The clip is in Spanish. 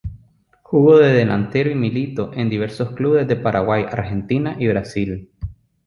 Jugó de delantero y militó en diversos clubes de Paraguay, Argentina y Brasil.